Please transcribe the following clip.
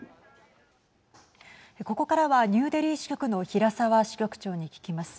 ここからはニューデリー支局の平沢支局長に聞きます。